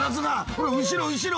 「ほら後ろ後ろ」